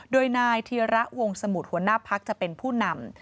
โดยนายธีระวงสมุทรหัวหน้าพักจะเป็นผู้นำ